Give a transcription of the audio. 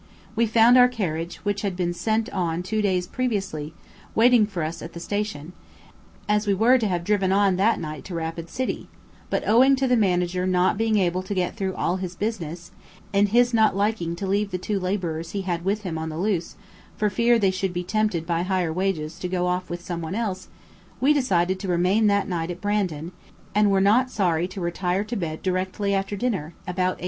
We found our carriage, which had been sent on two days previously, waiting for us at the station, as we were to have driven on that night to Rapid City; but, owing to the Manager not being able to get through all his business, and his not liking to leave the two labourers he had with him on the loose, for fear they should be tempted by higher wages to go off with someone else, we decided to remain that night at Brandon, and were not sorry to retire to bed directly after dinner, about 8.